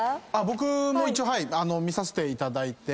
僕も一応見させていただいて。